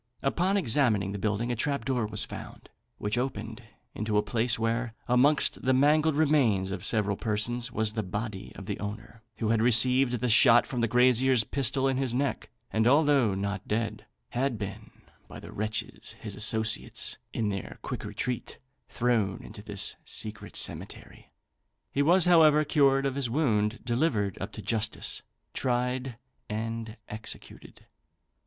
Upon examining the building a trap door was found, which opened into a place where, amongst the mangled remains of several persons, was the body of the owner, who had received the shot from the grazier's pistol in his neck; and although not dead, had been, by the wretches his associates, in their quick retreat, thrown into this secret cemetery. He was, however, cured of his wound, delivered up to justice, tried, and executed.